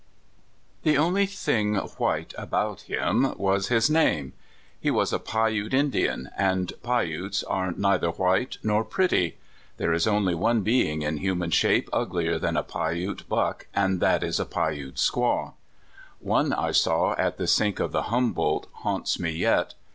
THE only thing white about him was his name. He was a Piute Indian, and Piutes are neither white nor pretty. There is onl}" one being in human shape ugher than a Piute " buck," and that is a Piute squaw. One I saw at the Sink of the Humboldt haunts me yet.